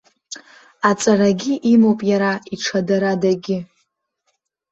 Аҵарагьы имоуп иара, иҽадарадагьы.